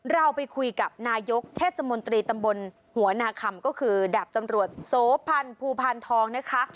เราไปคุยกับนายกเทศมนตรีตำบลหัวนาคำก็คือดาบตำรวจโสพันธ์ภูพานทองนะคะ